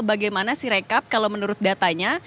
bagaimana si rekap kalau menurut datanya